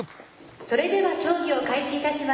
それでは競技を開始いたします。